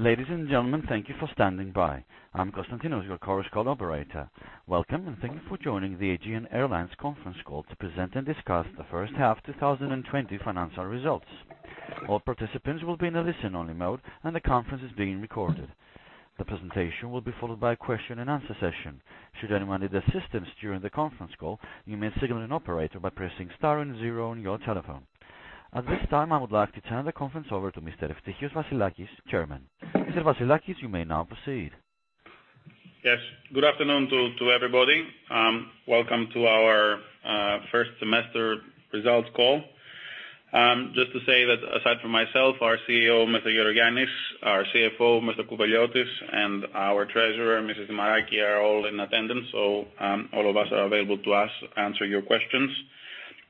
Ladies and gentlemen, thank you for standing by. I'm Konstantinos, your Chorus Call operator. Welcome, and thank you for joining the Aegean Airlines conference call to present and discuss the first half 2020 financial results. All participants will be in a listen-only mode, and the conference is being recorded. The presentation will be followed by a question and answer session. Should anyone need assistance during the conference call, you may signal an operator by pressing star and zero on your telephone. At this time, I would like to turn the conference over to Mr. Eftichios Vassilakis, Chairman. Mr. Vassilakis, you may now proceed. Yes. Good afternoon to everybody. Welcome to our first semester results call. Just to say that aside from myself, our CEO, Mr. Gerogiannis, our CFO, Mr. Kouveliotis, and our Treasurer, Mrs. Dimaraki, are all in attendance. All of us are available to answer your questions.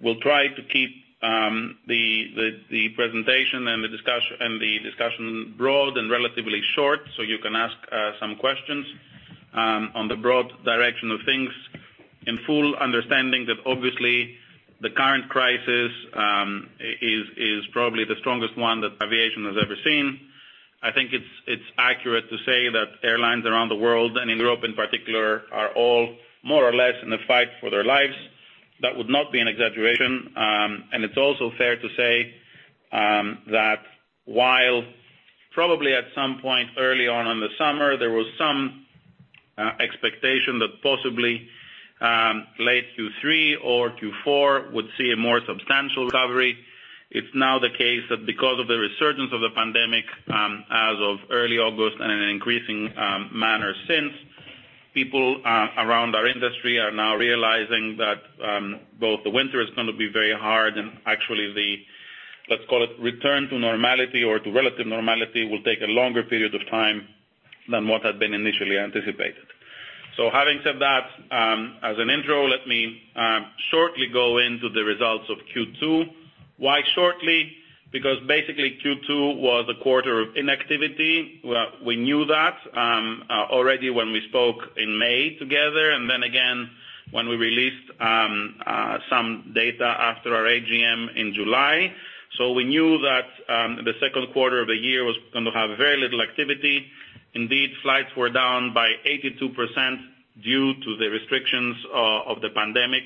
We'll try to keep the presentation and the discussion broad and relatively short, so you can ask some questions on the broad direction of things in full understanding that obviously the current crisis is probably the strongest one that aviation has ever seen. I think it's accurate to say that airlines around the world and in Europe, in particular, are all more or less in a fight for their lives. That would not be an exaggeration. It's also fair to say that while probably at some point early on in the summer, there was some expectation that possibly late Q3 or Q4 would see a more substantial recovery. It's now the case that because of the resurgence of the pandemic, as of early August and in an increasing manner since, people around our industry are now realizing that both the winter is going to be very hard and actually the, let's call it return to normality or to relative normality, will take a longer period of time than what had been initially anticipated. Having said that, as an intro, let me shortly go into the results of Q2. Why shortly? Because basically, Q2 was a quarter of inactivity. We knew that already when we spoke in May together, and then again when we released some data after our AGM in July. We knew that the second quarter of the year was going to have very little activity. Indeed, flights were down by 82% due to the restrictions of the pandemic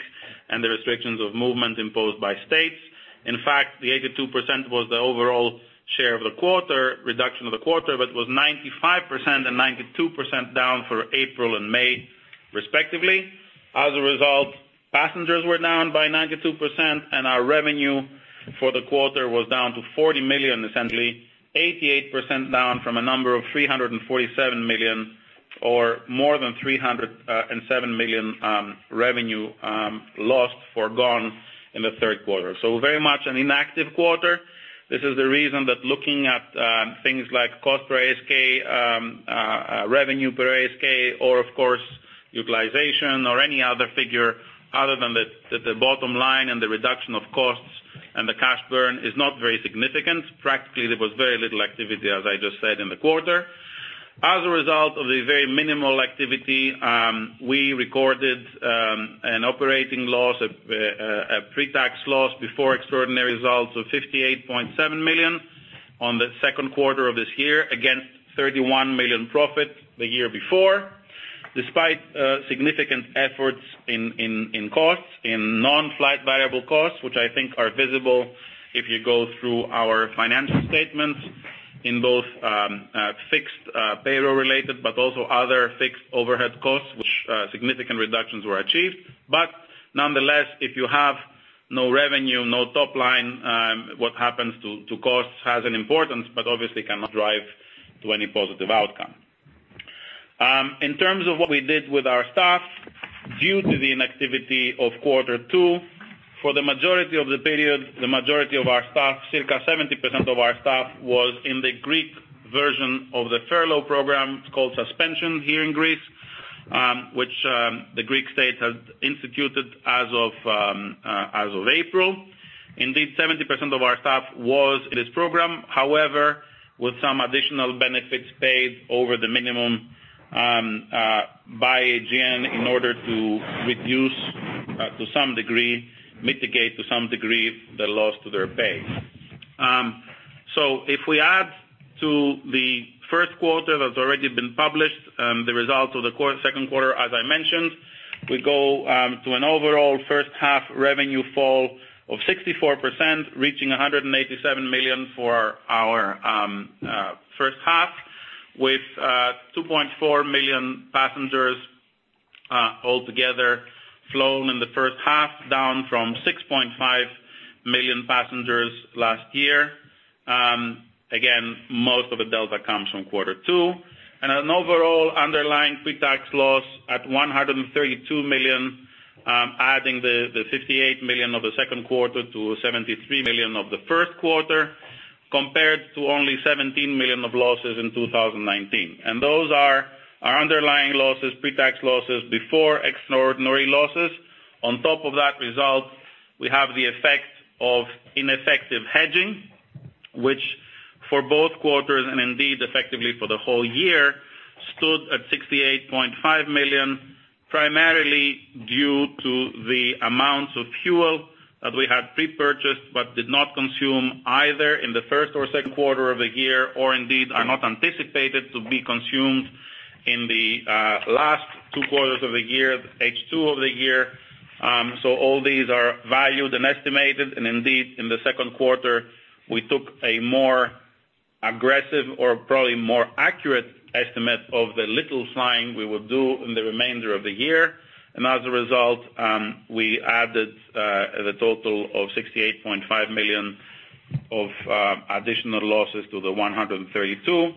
and the restrictions of movement imposed by states. In fact, the 82% was the overall share of the quarter, reduction of the quarter, but it was 95% and 92% down for April and May, respectively. As a result, passengers were down by 92%, and our revenue for the quarter was down to 40 million, essentially 88% down from a number of 347 million, or more than 307 million revenue lost, foregone in the third quarter. Very much an inactive quarter. This is the reason that looking at things like cost per ASK, revenue per ASK, or of course, utilization or any other figure other than the bottom line and the reduction of costs and the cash burn is not very significant. Practically, there was very little activity, as I just said, in the quarter. As a result of the very minimal activity, we recorded an operating loss, a pre-tax loss before extraordinary results of 58.7 million on the second quarter of this year against 31 million profit the year before. Despite significant efforts in costs, in non-flight variable costs, which I think are visible if you go through our financial statements in both fixed payroll related, but also other fixed overhead costs, which significant reductions were achieved. Nonetheless, if you have no revenue, no top line what happens to costs has an importance, but obviously cannot drive to any positive outcome. In terms of what we did with our staff, due to the inactivity of quarter two, for the majority of the period, the majority of our staff, circa 70% of our staff, was in the Greek version of the furlough program. It's called suspension here in Greece, which the Greek state has instituted as of April. Indeed, 70% of our staff was in this program. However, with some additional benefits paid over the minimum by Aegean in order to reduce to some degree, mitigate to some degree the loss to their pay. If we add to the first quarter that's already been published the results of the second quarter, as I mentioned, we go to an overall first half revenue fall of 64%, reaching 187 million for our first half, with 2.4 million passengers altogether flown in the first half, down from 6.5 million passengers last year. Again, most of the delta comes from quarter two. An overall underlying pre-tax loss at 132 million, adding the 58 million of the second quarter to 73 million of the first quarter, compared to only 17 million of losses in 2019. Those are our underlying losses, pre-tax losses before extraordinary losses. On top of that result, we have the effect of ineffective hedging, which for both quarters and indeed effectively for the whole year stood at 68.5 million, primarily due to the amounts of fuel that we had pre-purchased but did not consume, either in the first or second quarter of the year, or indeed are not anticipated to be consumed in the last two quarters of the year, H2 of the year. All these are valued and estimated. Indeed, in the second quarter, we took a more aggressive, or probably more accurate estimate of the little flying we would do in the remainder of the year. As a result, we added the total of 68.5 million of additional losses to 132 million.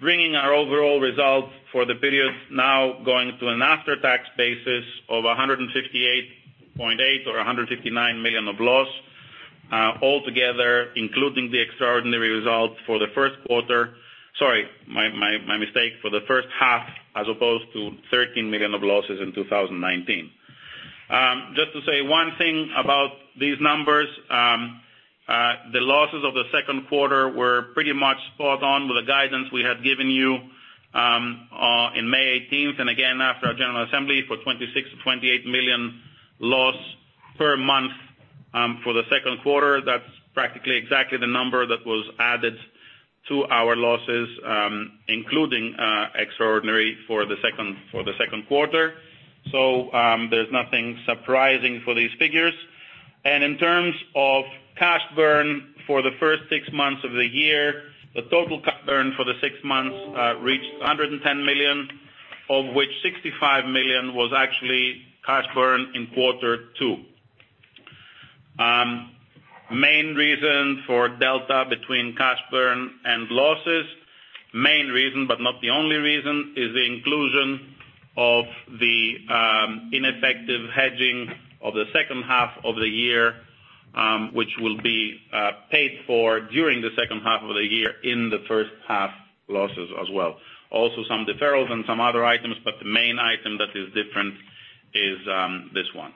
Bringing our overall results for the period now going to an after-tax basis of 158.8 million or 159 million of loss. Altogether, including the extraordinary results for the first quarter. Sorry, my mistake, for the first half, as opposed to 13 million of losses in 2019. Just to say one thing about these numbers. The losses of the second quarter were pretty much spot on with the guidance we had given you in May 18th, and again after our general assembly for 26 million-28 million loss per month for the second quarter. That's practically exactly the number that was added to our losses, including extraordinary for the second quarter. There's nothing surprising for these figures. In terms of cash burn for the first six months of the year, the total cash burn for the six months reached 110 million, of which 65 million was actually cash burn in quarter two. Main reason for delta between cash burn and losses, main reason but not the only reason, is the inclusion of the ineffective hedging of the second half of the year, which will be paid for during the second half of the year in the first half losses as well. Also some deferrals and some other items, but the main item that is different is this one.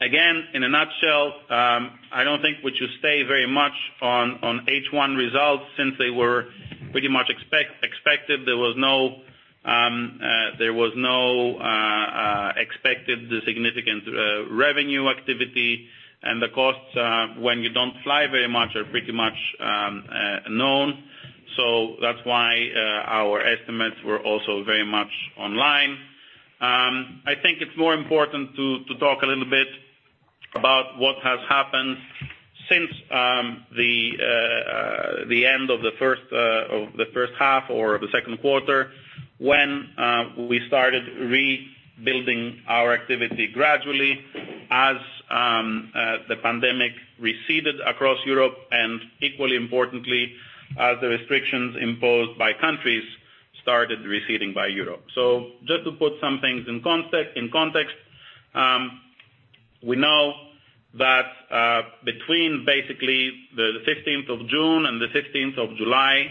Again, in a nutshell, I don't think we should stay very much on H1 results since they were pretty much expected. There was no expected significant revenue activity, and the costs when you don't fly very much are pretty much known. That's why our estimates were also very much online. I think it's more important to talk a little bit about what has happened since the end of the first half or the second quarter when we started rebuilding our activity gradually as the pandemic receded across Europe, and equally importantly, as the restrictions imposed by countries started receding by Europe. Just to put some things in context. We know that between basically the 15th of June and the 15th of July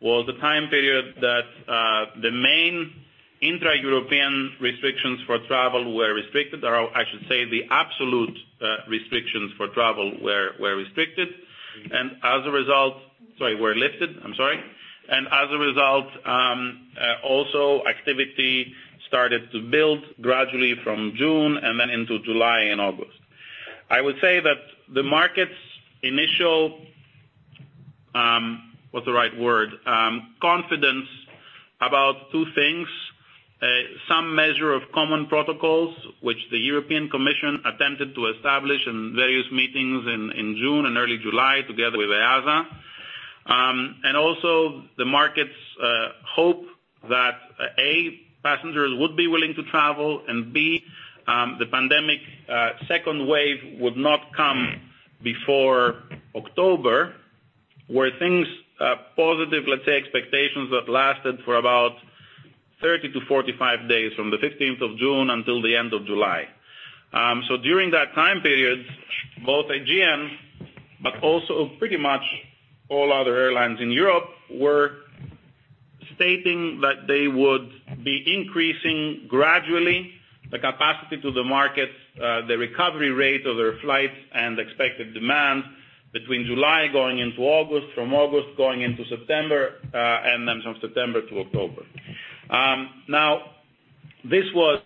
was the time period that the main intra-European restrictions for travel were restricted, or I should say the absolute restrictions for travel were restricted. As a result Sorry, were lifted. I'm sorry. As a result, also activity started to build gradually from June and then into July and August. I would say that the market's initial, what's the right word? Confidence about two things. Some measure of common protocols, which the European Commission attempted to establish in various meetings in June and early July together with IATA. Also the markets hope that, A, passengers would be willing to travel, and B, the pandemic second wave would not come before October, where things positive, let's say expectations that lasted for about 30 to 45 days from the 15th of June until the end of July. During that time period, both Aegean, but also pretty much all other airlines in Europe, were stating that they would be increasing gradually the capacity to the markets, the recovery rate of their flights, and expected demand between July going into August, from August going into September, and then from September to October. This was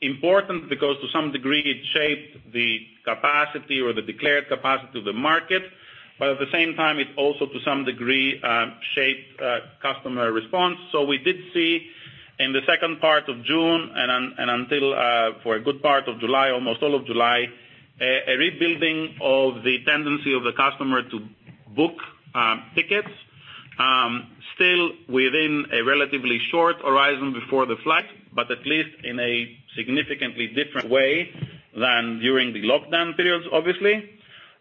important because to some degree it shaped the capacity or the declared capacity of the market. At the same time, it also to some degree shaped customer response. We did see in the second part of June and until for a good part of July, almost all of July, a rebuilding of the tendency of the customer to book tickets. Still within a relatively short horizon before the flight, but at least in a significantly different way than during the lockdown periods, obviously.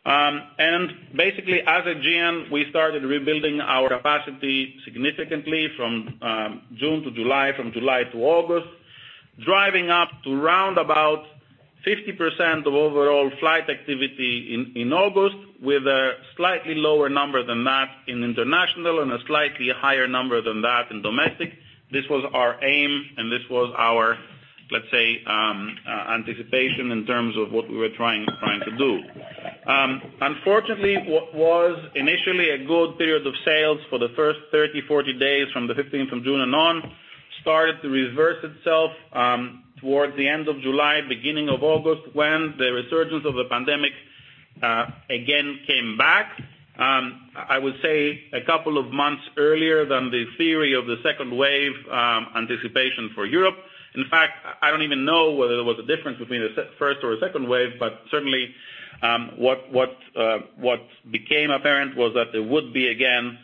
Basically as Aegean, we started rebuilding our capacity significantly from June to July, from July to August. Driving up to round about 50% of overall flight activity in August, with a slightly lower number than that in international and a slightly higher number than that in domestic. This was our aim. This was our, let's say, anticipation in terms of what we were trying to do. Unfortunately, what was initially a good period of sales for the first 30, 40 days from the 15th of June and on, started to reverse itself towards the end of July, beginning of August, when the resurgence of the pandemic again came back. I would say a couple of months earlier than the theory of the second wave anticipation for Europe. In fact, I don't even know whether there was a difference between the first or second wave. Certainly, what became apparent was that there would be, again,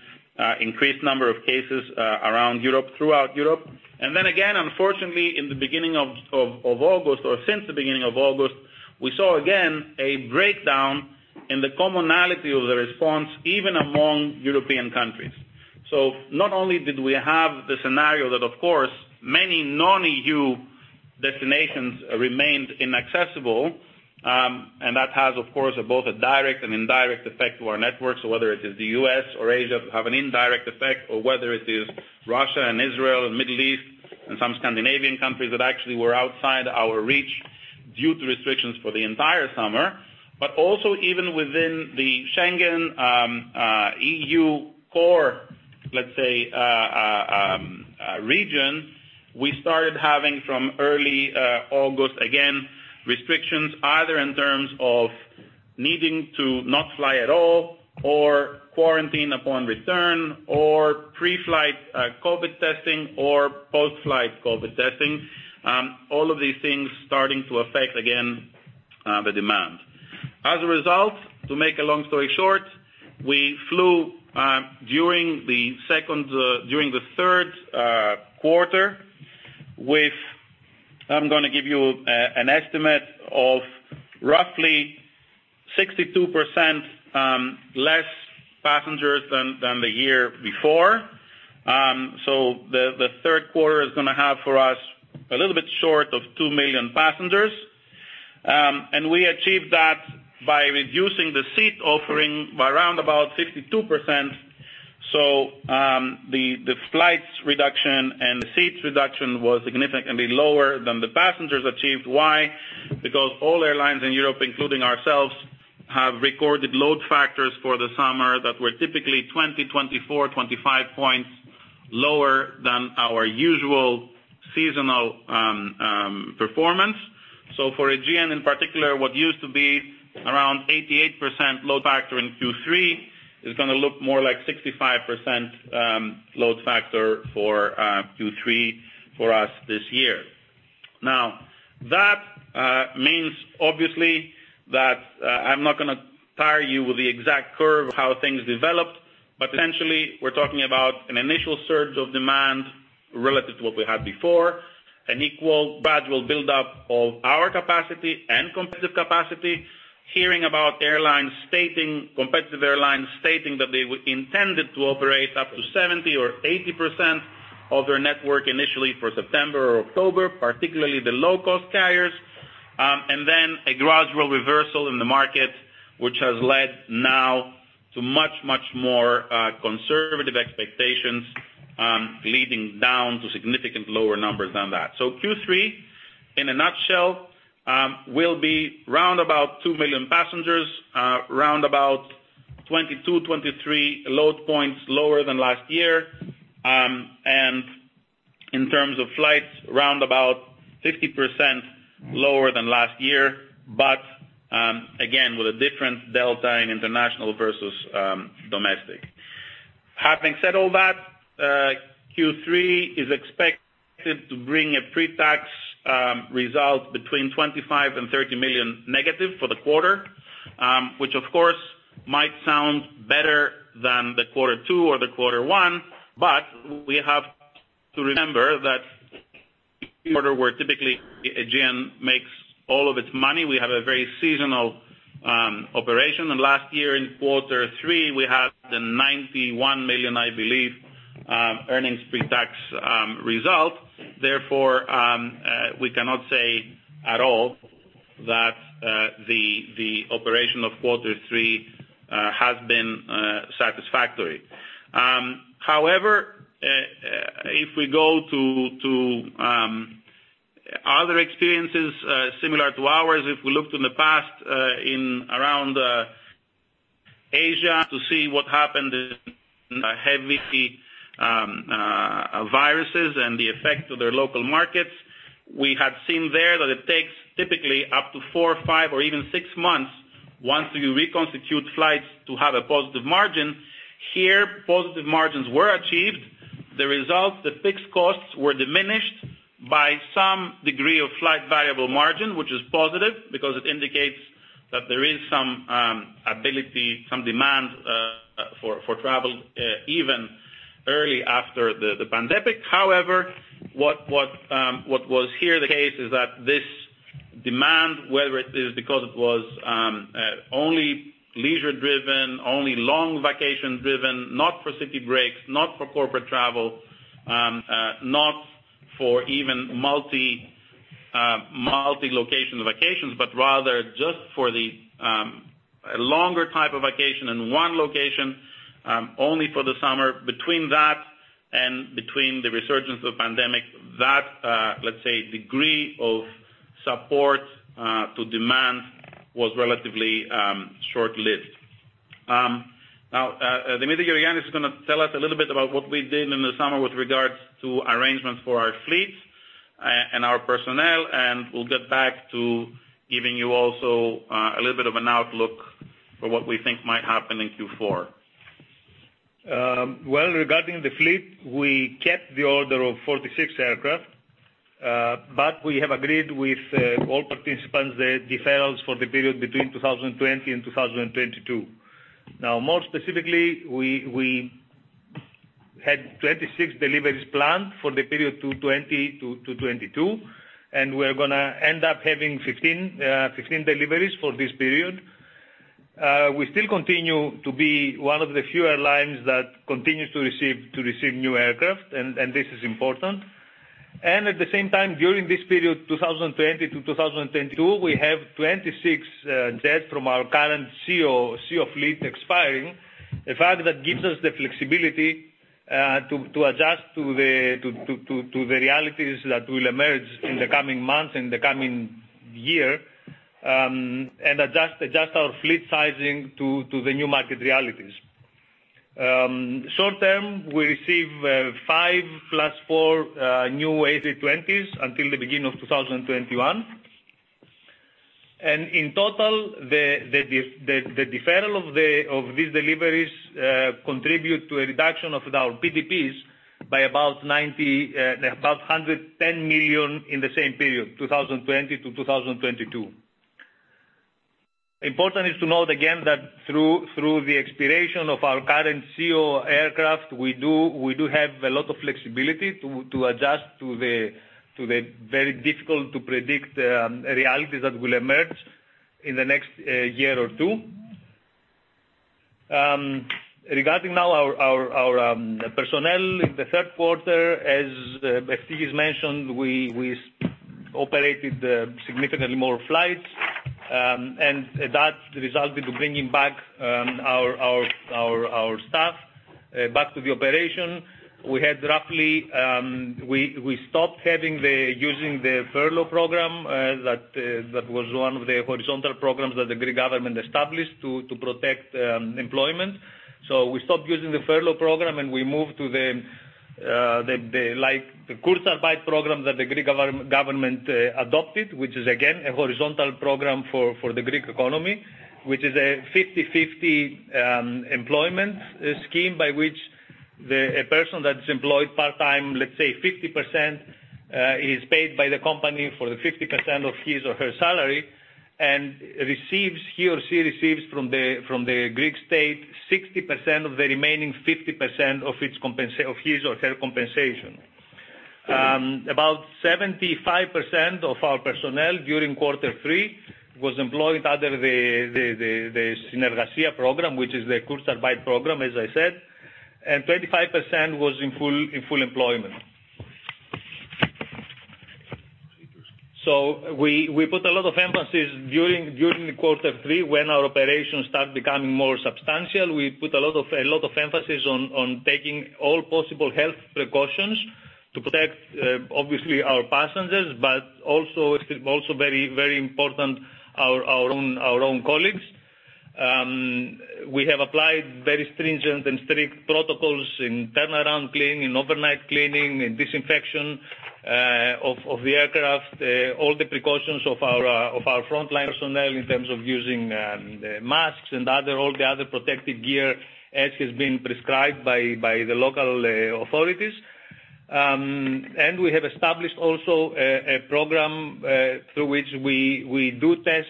increased number of cases around Europe, throughout Europe. Again, unfortunately, in the beginning of August or since the beginning of August, we saw again a breakdown in the commonality of the response, even among European countries. Not only did we have the scenario that, of course, many non-EU destinations remained inaccessible, and that has, of course, both a direct and indirect effect to our network. Whether it is the U.S. or Asia have an indirect effect, or whether it is Russia and Israel and Middle East and some Scandinavian countries that actually were outside our reach due to restrictions for the entire summer. Also even within the Schengen EU core, let's say, region, we started having from early August, again, restrictions either in terms of needing to not fly at all, or quarantine upon return, or pre-flight COVID testing, or post-flight COVID testing. All of these things starting to affect again the demand. As a result, to make a long story short, we flew during the third quarter with, I'm going to give you an estimate of roughly 62% less passengers than the year before. The third quarter is going to have for us a little bit short of 2 million passengers. We achieved that by reducing the seat offering by around about 52%. The flights reduction and the seats reduction was significantly lower than the passengers achieved. Why? Because all airlines in Europe, including ourselves, have recorded load factors for the summer that were typically 20, 24, 25 points lower than our usual seasonal performance. For Aegean in particular, what used to be around 88% load factor in Q3 is going to look more like 65% load factor for Q3 for us this year. Now, that means obviously that I'm not going to tire you with the exact curve of how things developed, but essentially we're talking about an initial surge of demand relative to what we had before, an equal gradual build up of our capacity and competitive capacity. Hearing about competitive airlines stating that they intended to operate up to 70% or 80% of their network initially for September or October, particularly the low-cost carriers. Then a gradual reversal in the market, which has led now to much, much more conservative expectations leading down to significant lower numbers than that. Q3, in a nutshell will be round about 2 million passengers, around about 22, 23 load points lower than last year. In terms of flights, around about 50% lower than last year. Again, with a different delta in international versus domestic. Having said all that, Q3 is expected to bring a pre-tax result between 25 million and 30 million negative for the quarter, which of course might sound better than Q2 or Q1, but we have to remember that quarter where typically Aegean makes all of its money. We have a very seasonal operation. Last year in Q3, we had the 91 million, I believe earnings pre-tax result. Therefore, we cannot say at all that the operation of Q3 has been satisfactory. However, if we go to other experiences similar to ours, if we looked in the past in around Asia to see what happened in heavy viruses and the effect of their local markets, we had seen there that it takes typically up to four, five or even six months once you reconstitute flights to have a positive margin. Here, positive margins were achieved. The result, the fixed costs were diminished by some degree of flight variable margin, which is positive because it indicates that there is some ability, some demand for travel even early after the pandemic. However, what was here the case is that this demand, whether it is because it was only leisure driven, only long vacation-driven, not for city breaks, not for corporate travel not for even multi-location vacations, but rather just for the longer type of vacation in one location only for the summer. Between that and between the resurgence of the pandemic that, let's say, degree of support to demand was relatively short-lived. Dimitrios Gerogiannis is going to tell us a little bit about what we did in the summer with regards to arrangements for our fleet and our personnel, and we'll get back to giving you also a little bit of an outlook for what we think might happen in Q4. Well, regarding the fleet, we kept the order of 46 aircraft, but we have agreed with all participants, the deferrals for the period between 2020 and 2022. More specifically, we had 26 deliveries planned for the period 2020 to 2022, and we're going to end up having 15 deliveries for this period. We still continue to be one of the few airlines that continues to receive new aircraft, and this is important. At the same time, during this period, 2020 to 2022, we have 26 jets from our current ceo fleet expiring. A fact that gives us the flexibility to adjust to the realities that will emerge in the coming months, in the coming year, and adjust our fleet sizing to the new market realities. Short-term, we receive 5 + 4 new A320s until the beginning of 2021. In total, the deferral of these deliveries contribute to a reduction of our PDPs by about 110 million in the same period, 2020 to 2022. Important is to note again that through the expiration of our current ceo aircraft, we do have a lot of flexibility to adjust to the very difficult-to-predict realities that will emerge in the next year or two. Regarding now our personnel in the third quarter, as Eftichios mentioned, we operated significantly more flights, that resulted in bringing back our staff back to the operation. We stopped using the furlough program that was one of the horizontal programs that the Greek government established to protect employment. We stopped using the furlough program, we moved to the Kurzarbeit program that the Greek government adopted, which is again, a horizontal program for the Greek economy. Which is a 50/50 employment scheme by which a person that's employed part-time, let's say 50%, is paid by the company for the 50% of his or her salary and he or she receives from the Greek state 60% of the remaining 50% of his or her compensation. About 75% of our personnel during quarter three was employed under the Syn-ergasia program, which is the Kurzarbeit program, as I said, and 25% was in full employment. We put a lot of emphasis during quarter three when our operations start becoming more substantial. We put a lot of emphasis on taking all possible health precautions to protect obviously our passengers, but also very important, our own colleagues. We have applied very stringent and strict protocols in turnaround cleaning, in overnight cleaning, in disinfection of the aircraft, all the precautions of our frontline personnel in terms of using masks and all the other protective gear as has been prescribed by the local authorities. We have established also a program through which we do test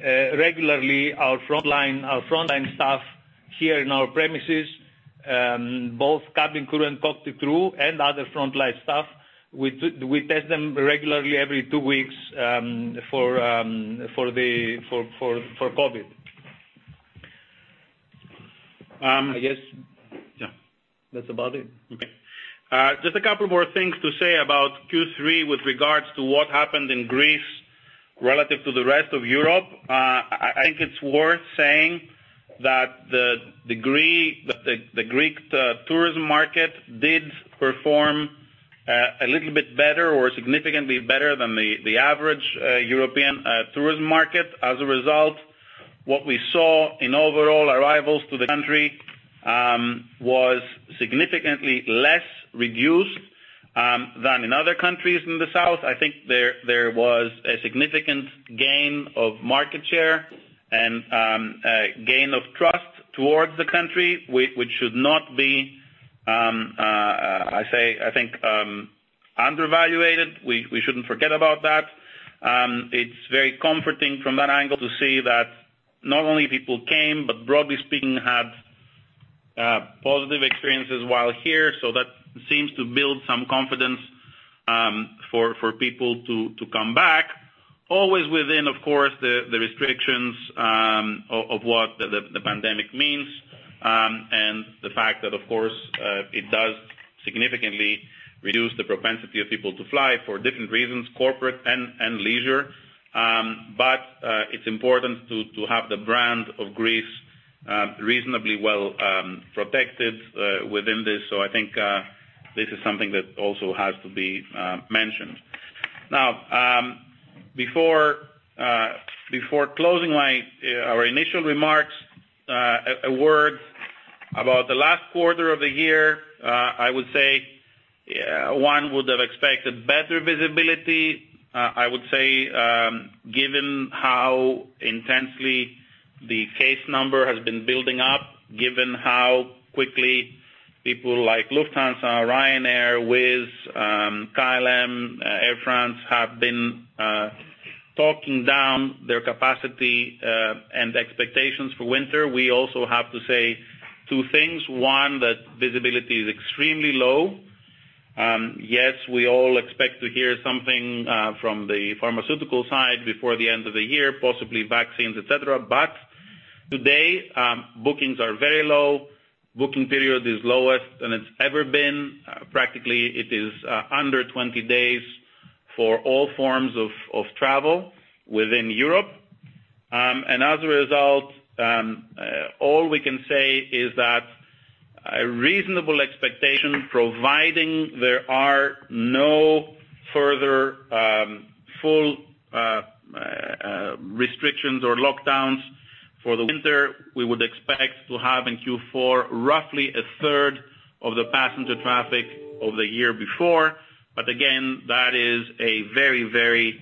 regularly our frontline staff here in our premises, both cabin crew and cockpit crew and other frontline staff. We test them regularly every two weeks for COVID that's about it. Okay. Just a couple more things to say about Q3 with regards to what happened in Greece relative to the rest of Europe. I think it's worth saying that the Greek tourism market did perform a little bit better or significantly better than the average European tourism market. As a result, what we saw in overall arrivals to the country was significantly less reduced than in other countries in the south. I think there was a significant gain of market share and gain of trust towards the country, which should not be, I think, under evaluated. We shouldn't forget about that. It's very comforting from that angle to see that not only people came, but broadly speaking, had positive experiences while here. That seems to build some confidence for people to come back. Always within, of course, the restrictions of what the pandemic means, and the fact that, of course, it does significantly reduce the propensity of people to fly for different reasons, corporate and leisure. It's important to have the brand of Greece reasonably well protected within this. I think this is something that also has to be mentioned. Now, before closing our initial remarks, a word about the last quarter of the year. I would say, one would have expected better visibility. I would say, given how intensely the case number has been building up, given how quickly people like Lufthansa, Ryanair, Wizz, KLM, Air France, have been talking down their capacity and expectations for winter, we also have to say two things. One, that visibility is extremely low. Yes, we all expect to hear something from the pharmaceutical side before the end of the year, possibly vaccines, et cetera. Today, bookings are very low. Booking period is lowest than it's ever been. Practically, it is under 20 days for all forms of travel within Europe. As a result, all we can say is that a reasonable expectation, providing there are no further full restrictions or lockdowns for the winter, we would expect to have in Q4, roughly a third of the passenger traffic of the year before. Again, that is a very,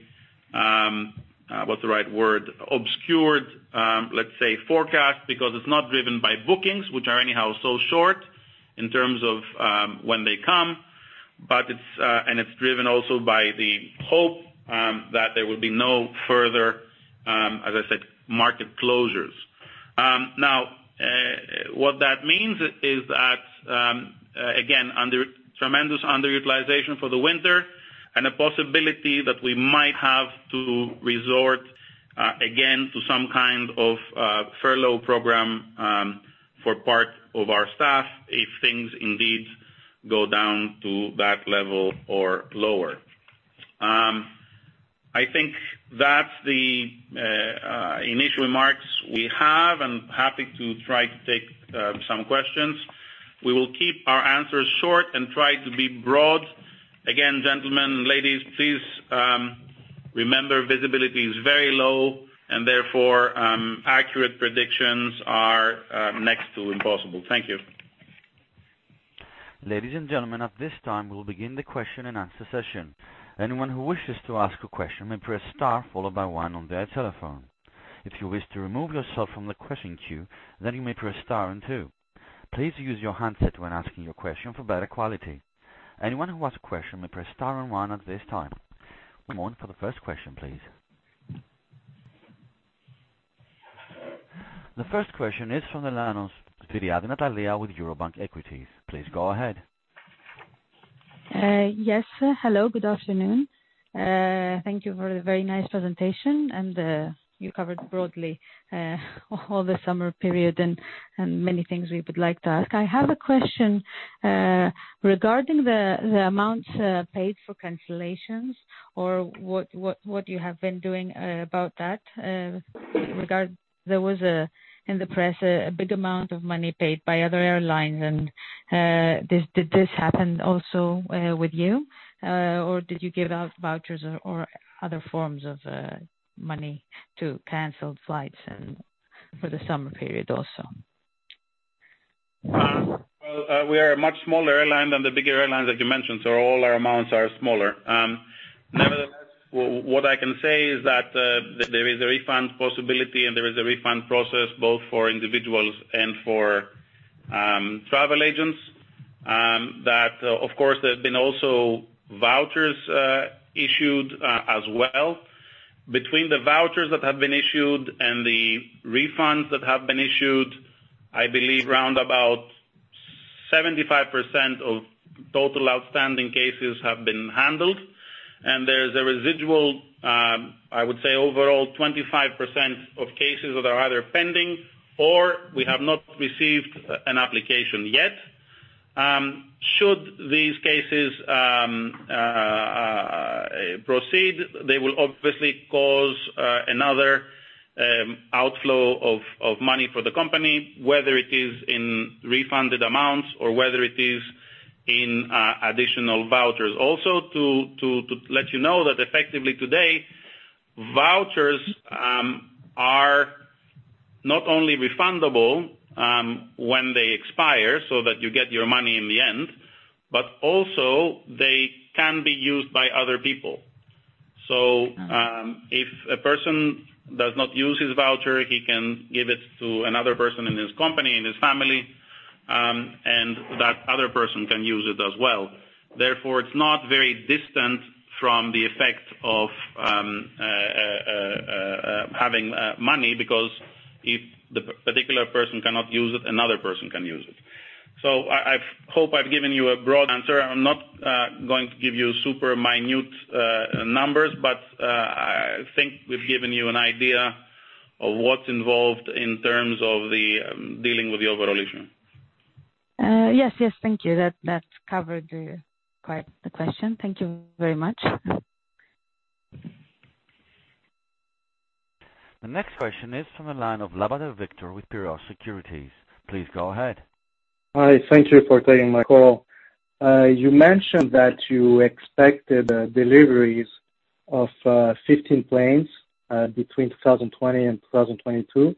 what's the right word? Obscured, let's say, forecast, because it's not driven by bookings, which are anyhow so short in terms of when they come. It's driven also by the hope that there will be no further, as I said, market closures. What that means is that, again, tremendous underutilization for the winter and a possibility that we might have to resort again to some kind of furlough program for part of our staff if things indeed go down to that level or lower. I think that's the initial remarks we have. I'm happy to try to take some questions. We will keep our answers short and try to be broad. Gentlemen, ladies, please remember visibility is very low and therefore, accurate predictions are next to impossible. Thank you. The first question is from Svyriadi Natalia with Eurobank Equities. Please go ahead. Yes. Hello, good afternoon. Thank you for the very nice presentation and you covered broadly all the summer period and many things we would like to ask. I have a question regarding the amounts paid for cancellations or what you have been doing about that. There was in the press a big amount of money paid by other airlines and did this happen also with you? Did you give out vouchers or other forms of money to canceled flights and for the summer period also? Well, we are a much smaller airline than the bigger airlines that you mentioned, so all our amounts are smaller. Nevertheless, what I can say is that there is a refund possibility and there is a refund process both for individuals and for travel agents. That, of course, there's been also vouchers issued as well. Between the vouchers that have been issued and the refunds that have been issued, I believe round about 75% of total outstanding cases have been handled. There is a residual, I would say, overall 25% of cases that are either pending or we have not received an application yet. Should these cases proceed, they will obviously cause another outflow of money for the company, whether it is in refunded amounts or whether it is in additional vouchers. Also to let you know that effectively today, vouchers are not only refundable when they expire so that you get your money in the end, but also they can be used by other people. If a person does not use his voucher, he can give it to another person in his company, in his family, and that other person can use it as well. Therefore, it's not very distant from the effect of having money because if the particular person cannot use it, another person can use it. I hope I've given you a broad answer. I'm not going to give you super minute numbers, but I think we've given you an idea of what's involved in terms of the dealing with the overall issue. Yes. Thank you. That covered quite the question. Thank you very much. The next question is from the line of Labate Victor with Piraeus Securities. Please go ahead. Hi. Thank you for taking my call. You mentioned that you expected deliveries of 15 planes between 2020 and 2022.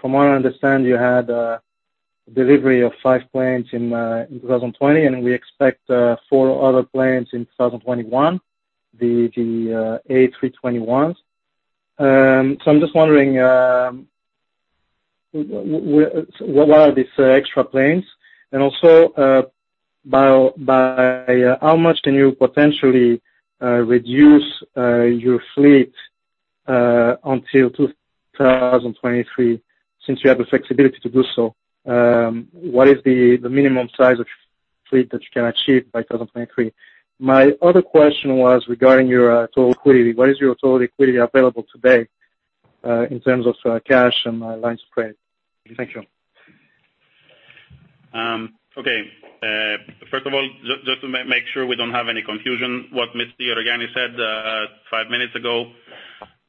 From what I understand, you had a delivery of five planes in 2020, and we expect four other planes in 2021, the A321s. I'm just wondering what are these extra planes, and also by how much can you potentially reduce your fleet until 2023 since you have the flexibility to do so? What is the minimum size of fleet that you can achieve by 2023? My other question was regarding your total liquidity. What is your total liquidity available today, in terms of cash and lines of credit? Thank you. First of all, just to make sure we don't have any confusion what Mr. Gerogiannis said five minutes ago,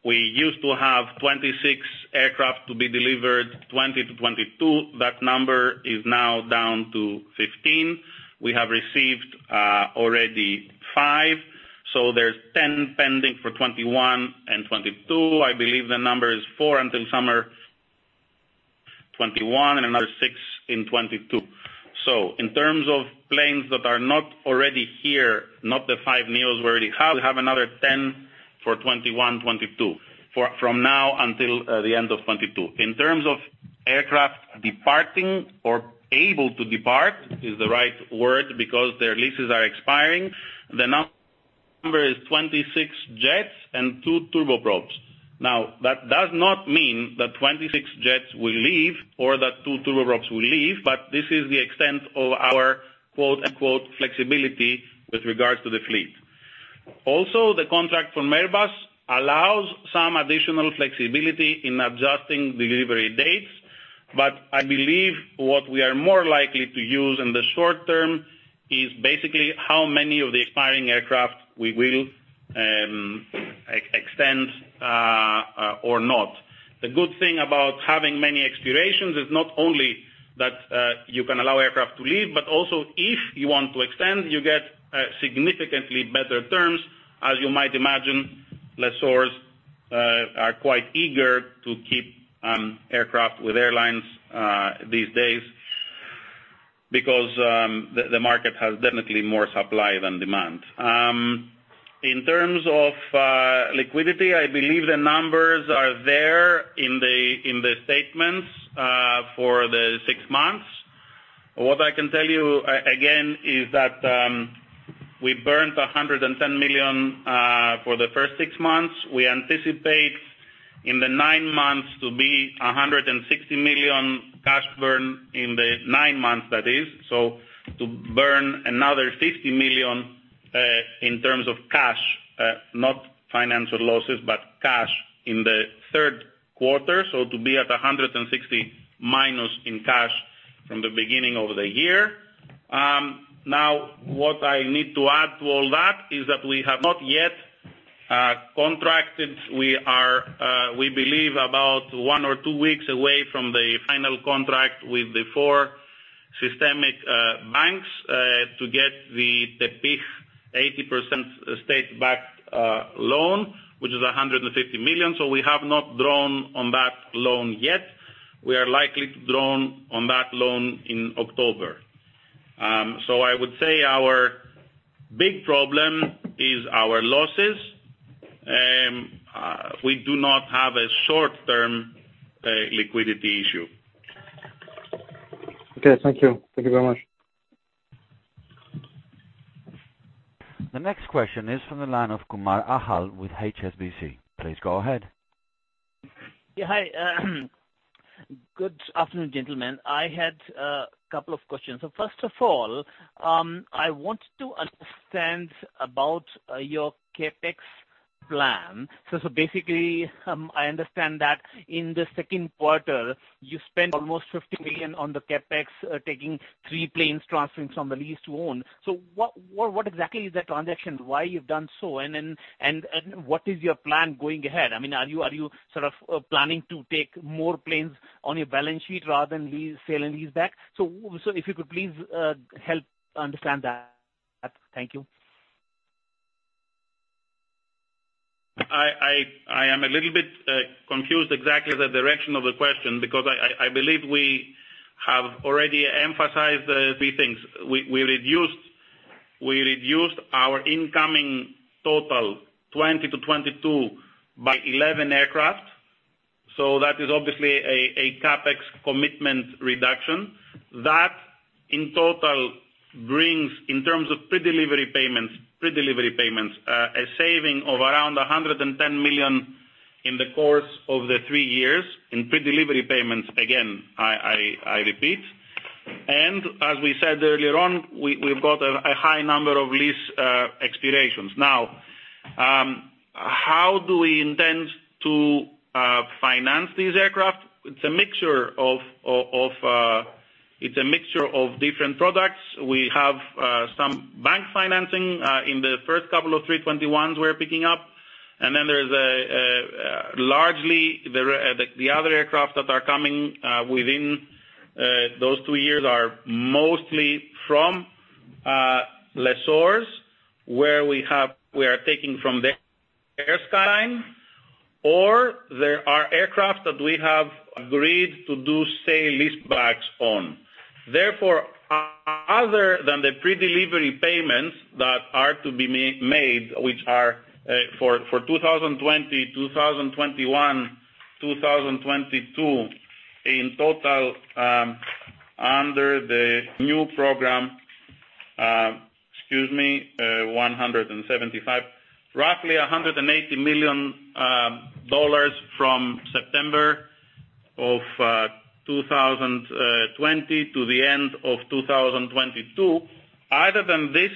we used to have 26 aircraft to be delivered 2020 to 2022. That number is now down to 15. We have received already five. There's 10 pending for 2021 and 2022. I believe the number is four until summer 2021 and another six in 2022. In terms of planes that are not already here, not the five neos we already have, we have another 10 for 2021, 2022, from now until the end of 2022. In terms of aircraft departing or able to depart, is the right word because their leases are expiring, the number is 26 jets and two turboprops. That does not mean that 26 jets will leave or that two turboprops will leave, but this is the extent of our "flexibility" with regards to the fleet. The contract from Airbus allows some additional flexibility in adjusting delivery dates, but I believe what we are more likely to use in the short term is basically how many of the expiring aircraft we will extend or not. The good thing about having many expirations is not only that you can allow aircraft to leave, but also if you want to extend, you get significantly better terms. As you might imagine, lessors are quite eager to keep aircraft with airlines these days because the market has definitely more supply than demand. In terms of liquidity, I believe the numbers are there in the statements for the six months. What I can tell you again is that we burnt 110 million for the first six months. We anticipate in the nine months to be 160 million cash burn in the nine months, that is. To burn another 50 million in terms of cash, not financial losses, but cash in the third quarter, to be at 160 million minus in cash from the beginning of the year. What I need to add to all that is that we have not yet contracted. We believe about one or two weeks away from the final contract with the four systemic banks to get the 80% state-backed loan, which is 150 million. We have not drawn on that loan yet. We are likely to draw on that loan in October. I would say our big problem is our losses. We do not have a short-term liquidity issue. Okay. Thank you. Thank you very much. The next question is from the line of Kumar Achal with HSBC. Please go ahead. Yeah. Hi. Good afternoon, gentlemen. I had a couple of questions. First of all, I want to understand about your CapEx plan. Basically, I understand that in the second quarter you spent almost 50 million on the CapEx, taking three planes transferring from the lease to own. What exactly is that transaction? Why you've done so, and then what is your plan going ahead? Are you sort of planning to take more planes on your balance sheet rather than selling these back? If you could please help understand that. Thank you. I am a little bit confused exactly the direction of the question because I believe we have already emphasized three things. We reduced our incoming total 2020 to 2022 by 11 aircraft. That is obviously a CapEx commitment reduction. That in total brings, in terms of pre-delivery payments a saving of around 110 million in the course of the three years in pre-delivery payments, again, I repeat. As we said earlier on, we've got a high number of lease expirations. How do we intend to finance these aircraft? It's a mixture of different products. We have some bank financing in the first couple of A321s we're picking up. Then there is largely the other aircraft that are coming within those two years are mostly from lessors, where we are taking from the airline, or there are aircraft that we have agreed to do sale leasebacks on. Therefore, other than the pre-delivery payments that are to be made, which are for 2020, 2021, 2022, in total under the new program, excuse me, $175 million, roughly $180 million from September of 2020 to the end of 2022. Other than this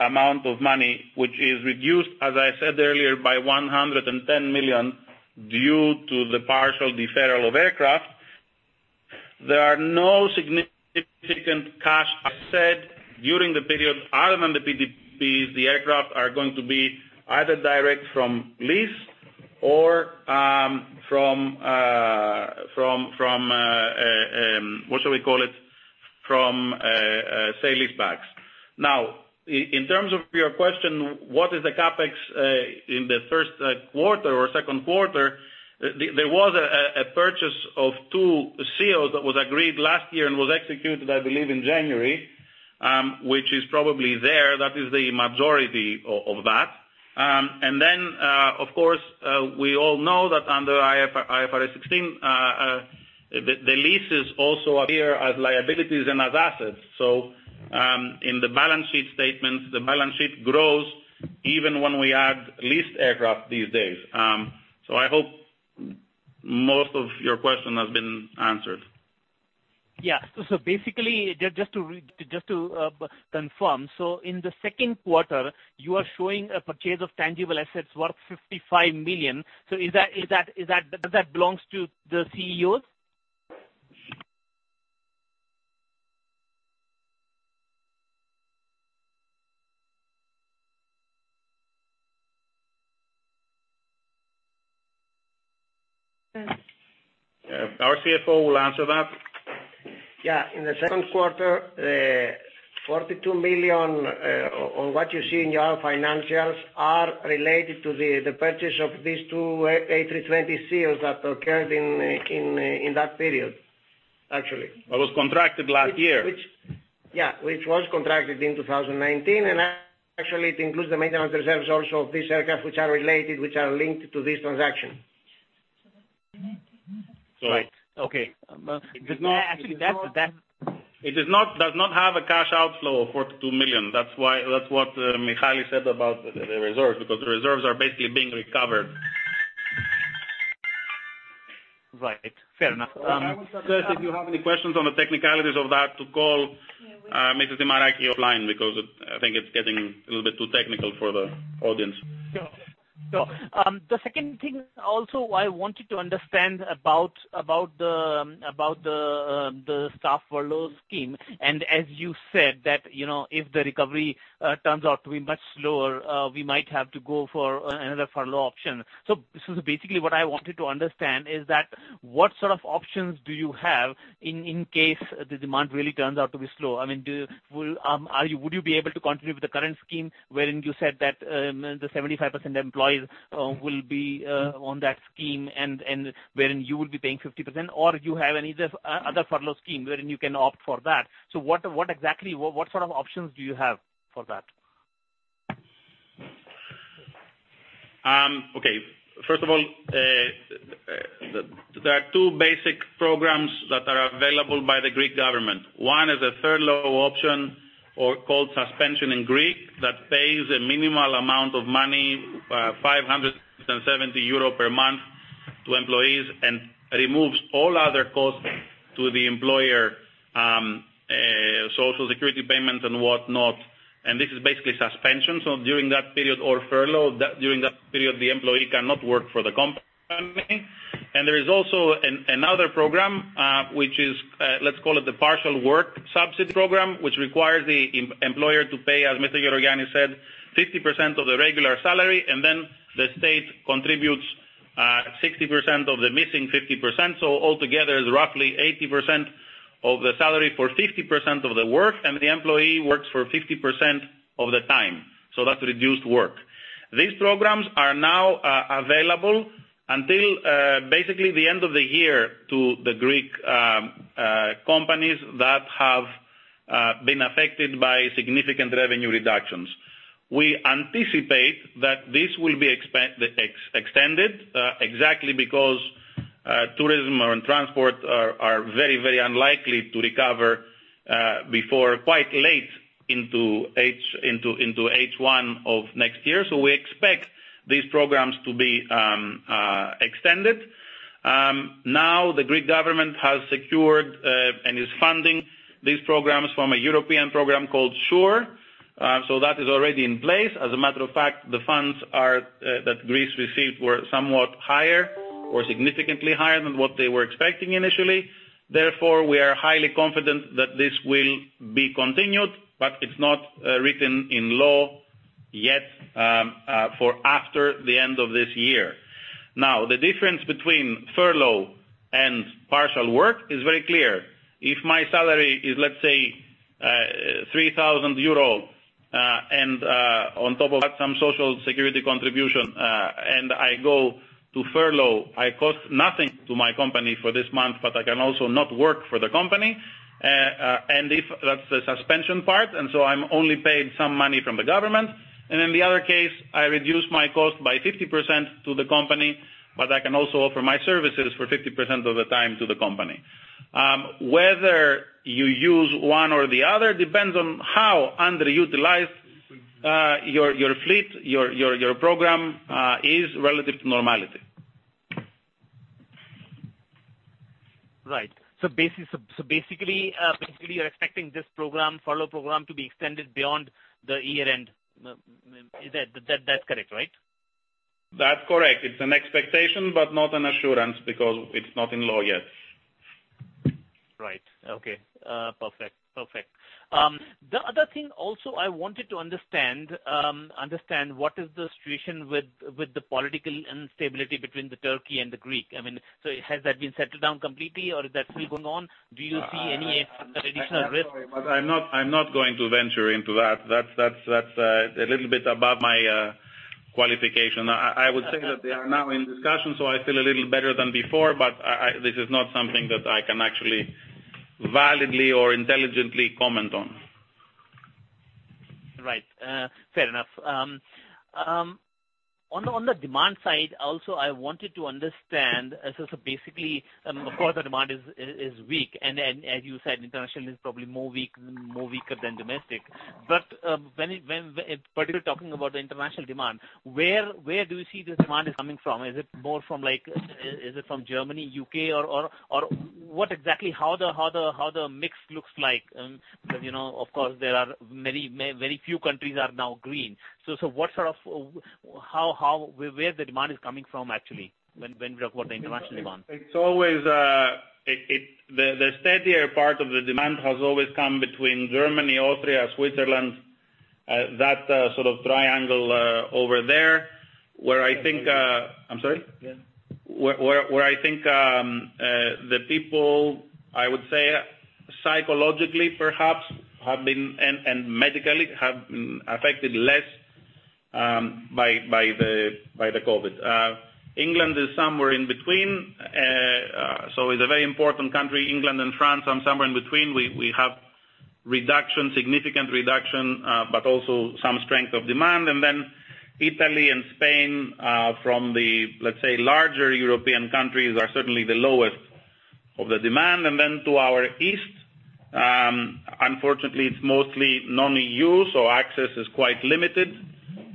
amount of money, which is reduced, as I said earlier, by $110 million due to the partial deferral of aircraft, there are no significant cash outlay during the period. Other than the PDPs, the aircraft are going to be either direct from lease or from, what shall we call it, from sale leasebacks. In terms of your question, what is the CapEx in the first quarter or second quarter, there was a purchase of two ceos that was agreed last year and was executed, I believe, in January, which is probably there. That is the majority of that. Then, of course, we all know that under IFRS 16, the leases also appear as liabilities and as assets. In the balance sheet statements, the balance sheet grows even when we add leased aircraft these days. I hope most of your question has been answered. Yeah. Basically, just to confirm, in the second quarter, you are showing a purchase of tangible assets worth 55 million. Does that belongs to the ceos? Our CFO will answer that. Yeah. In the second quarter, 42 million on what you see in your financials are related to the purchase of these two A320ceos that occurred in that period, actually. That was contracted last year. Yeah. Which was contracted in 2019, and actually it includes the maintenance reserves also of these aircraft, which are related, which are linked to this transaction. Right. Okay. Actually. It does not have a cash outflow of 42 million. That's what Michael said about the reserves, because the reserves are basically being recovered. Right. Fair enough. Sir, if you have any questions on the technicalities of that to call Mrs. Dimaraki offline because I think it's getting a little bit too technical for the audience. Sure. The second thing also I wanted to understand about the staff furlough scheme. As you said that if the recovery turns out to be much slower, we might have to go for another furlough option. Basically what I wanted to understand is that what sort of options do you have in case the demand really turns out to be slow? Would you be able to continue with the current scheme wherein you said that the 75% employees will be on that scheme and wherein you will be paying 50%, or do you have any other furlough scheme wherein you can opt for that? What sort of options do you have for that? First of all, there are two basic programs that are available by the Greek government. One is a furlough option or called suspension in Greek, that pays a minimal amount of money, 570 euro per month to employees and removes all other costs to the employer, social security payments and whatnot. This is basically suspension. During that period or furlough, the employee cannot work for the company. There is also another program which is, let's call it the partial work subsidy program, which requires the employer to pay, as Mr. Gerogiannis said, 50% of the regular salary, and then the state contributes 60% of the missing 50%. Altogether, is roughly 80% of the salary for 50% of the work, and the employee works for 50% of the time. That's reduced work. These programs are now available until basically the end of the year to the Greek companies that have been affected by significant revenue reductions. We anticipate that this will be extended exactly because tourism and transport are very unlikely to recover before quite late into H1 of next year. We expect these programs to be extended. The Greek government has secured, and is funding these programs from a European program called SURE. That is already in place. As a matter of fact, the funds that Greece received were somewhat higher or significantly higher than what they were expecting initially. We are highly confident that this will be continued, but it's not written in law yet for after the end of this year. The difference between furlough and partial work is very clear. If my salary is, let's say, 3,000 euros, and on top of that, some social security contribution, and I go to furlough, I cost nothing to my company for this month, but I can also not work for the company. If that's the suspension part, I'm only paid some money from the government. In the other case, I reduce my cost by 50% to the company, but I can also offer my services for 50% of the time to the company. Whether you use one or the other depends on how underutilized your fleet, your program is relative to normality. Right. Basically, you're expecting this furlough program to be extended beyond the year-end. That's correct, right? That's correct. It's an expectation, but not an assurance because it's not in law yet. Right. Okay. Perfect. The other thing also I wanted to understand what is the situation with the political instability between Turkey and Greece. Has that been settled down completely or is that still going on? Do you see any additional risk? I'm not going to venture into that. That's a little bit above my qualification. I would say that they are now in discussion, so I feel a little better than before, but this is not something that I can actually validly or intelligently comment on. Right. Fair enough. On the demand side, also, I wanted to understand. Basically, of course, the demand is weak and as you said, international is probably more weaker than domestic. Particularly talking about the international demand, where do you see this demand is coming from? Is it from Germany, U.K., or what exactly how the mix looks like? Of course there are very few countries are now green. Where the demand is coming from actually when we talk about the international demand? The steadier part of the demand has always come between Germany, Austria, Switzerland that sort of triangle over there where I think- I'm sorry? Yeah. Where I think the people, I would say psychologically perhaps, and medically have been affected less by the COVID. England is somewhere in between. It's a very important country, England and France are somewhere in between. We have significant reduction but also some strength of demand. Italy and Spain from the, let's say, larger European countries are certainly the lowest of the demand. To our east, unfortunately it's mostly non-EU so access is quite limited.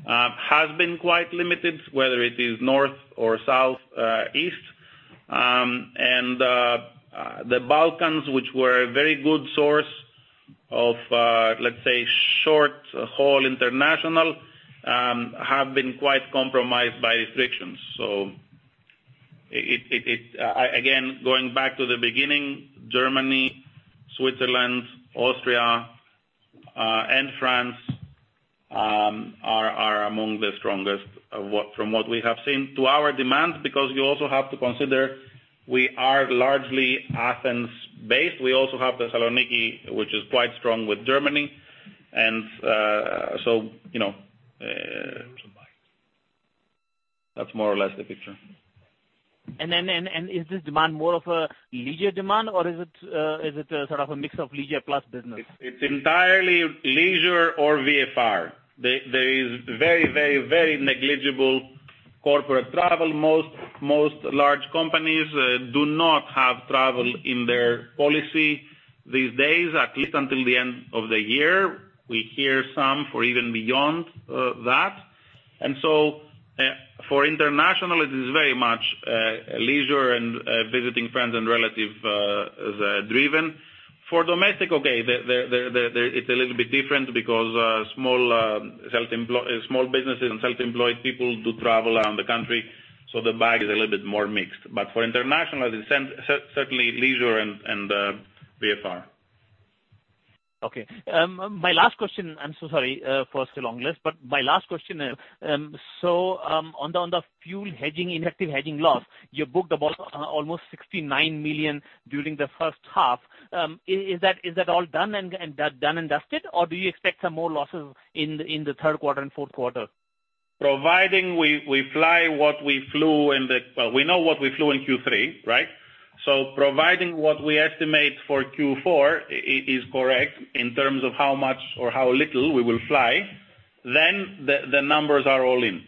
Has been quite limited, whether it is north or southeast. The Balkans which were a very good source of let's say short haul international have been quite compromised by restrictions. Again, going back to the beginning, Germany, Switzerland, Austria, and France are among the strongest from what we have seen to our demand because you also have to consider we are largely Athens based. We also have the Thessaloniki which is quite strong with Germany. That's more or less the picture. Is this demand more of a leisure demand or is it sort of a mix of leisure plus business? It's entirely leisure or VFR. There is very negligible corporate travel. Most large companies do not have travel in their policy these days, at least until the end of the year. We hear some for even beyond that. For international, it is very much leisure and visiting friends and relative driven. For domestic, okay, it's a little bit different because small businesses and self-employed people do travel around the country, so the bag is a little bit more mixed. For international, it is certainly leisure and VFR. Okay. My last question, I'm so sorry for so long list, my last question. On the fuel hedging, ineffective hedging loss, you booked about almost 69 million during the first half. Is that all done and dusted or do you expect some more losses in the third quarter and fourth quarter? Providing we fly what we flew. We know what we flew in Q3, right? Providing what we estimate for Q4 is correct in terms of how much or how little we will fly, then the numbers are all in.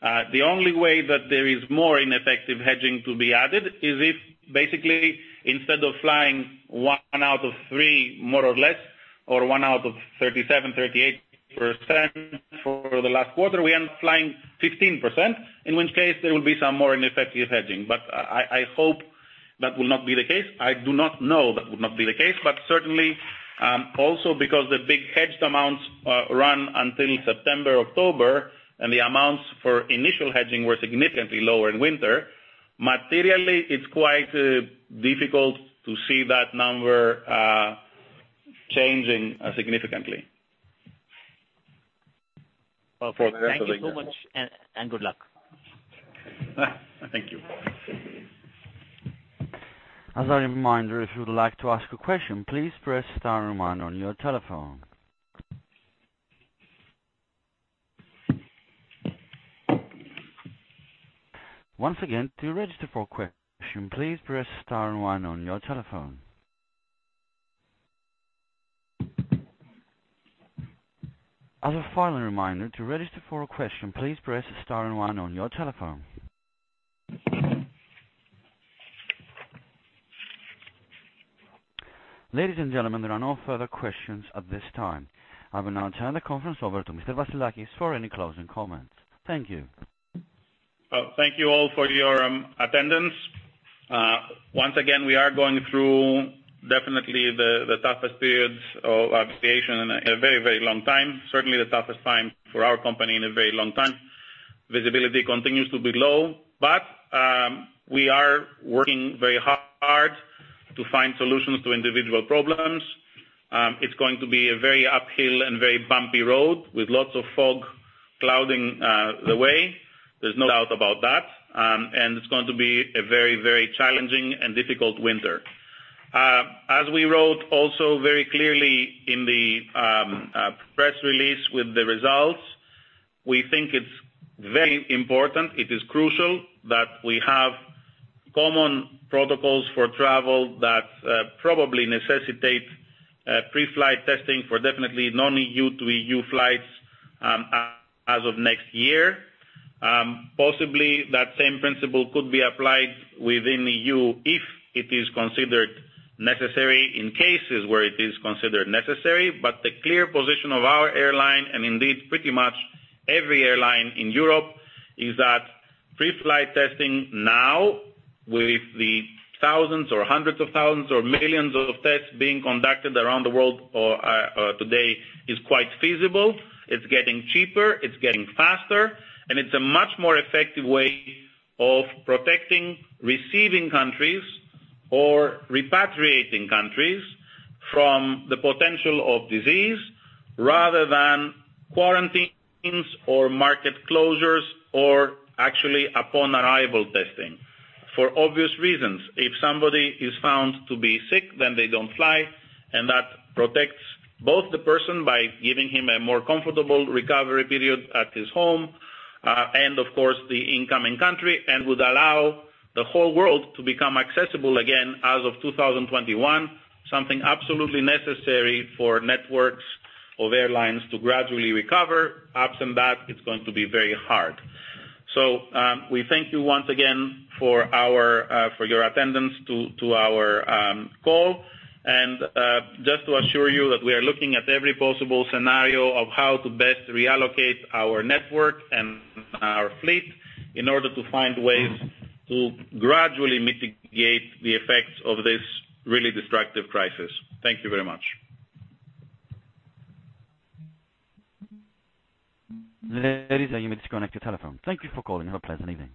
The only way that there is more ineffective hedging to be added is if basically, instead of flying one out of three, more or less or one out of 37%, 38% for the last quarter, we end up flying 15%, in which case there will be some more ineffective hedging. I hope that will not be the case. I do not know that would not be the case, but certainly, also because the big hedged amounts run until September, October, and the amounts for initial hedging were significantly lower in winter, materially, it's quite difficult to see that number changing significantly. Okay. Thank you so much. Good luck. Thank you. Ladies and gentlemen, there are no further questions at this time. I will now turn the conference over to Mr. Vassilakis for any closing comments. Thank you. Thank you all for your attendance. Once again, we are going through definitely the toughest periods of aviation in a very long time. Certainly the toughest time for our company in a very long time. Visibility continues to be low, but we are working very hard to find solutions to individual problems. It's going to be a very uphill and very bumpy road with lots of fog clouding the way. There's no doubt about that. It's going to be a very challenging and difficult winter. As we wrote also very clearly in the press release with the results, we think it's very important, it is crucial that we have common protocols for travel that probably necessitate pre-flight testing for definitely non-EU to EU flights as of next year. Possibly that same principle could be applied within the EU if it is considered necessary in cases where it is considered necessary. The clear position of our airline, and indeed pretty much every airline in Europe, is that pre-flight testing now with the thousands or hundreds of thousands or millions of tests being conducted around the world today, is quite feasible. It's getting cheaper, it's getting faster, and it's a much more effective way of protecting receiving countries or repatriating countries from the potential of disease, rather than quarantines or market closures, or actually upon arrival testing. For obvious reasons, if somebody is found to be sick, then they don't fly, and that protects both the person by giving him a more comfortable recovery period at his home, and of course the incoming country, and would allow the whole world to become accessible again as of 2021. Something absolutely necessary for networks of airlines to gradually recover. Absent that, it's going to be very hard. We thank you once again for your attendance to our call, and just to assure you that we are looking at every possible scenario of how to best reallocate our network and our fleet in order to find ways to gradually mitigate the effects of this really destructive crisis. Thank you very much. You may disconnect your telephone. Thank you for calling. Have a pleasant evening.